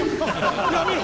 やめろ！